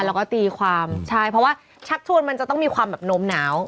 แล้วก็ตีความใช่เพราะว่าชักชวนมันจะต้องมีความแบบนมหนาว